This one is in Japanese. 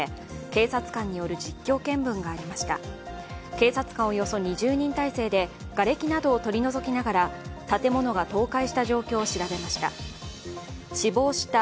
警察官およそ２０人態勢で、がれきなどを取り除きながら建物が倒壊した状況を調べました。